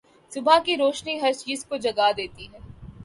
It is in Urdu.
صبح کی روشنی ہر چیز کو جگا دیتی ہے۔